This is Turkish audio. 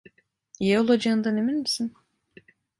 İyi olacağından emin misin?